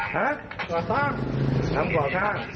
หัวข้างทำหัวข้าง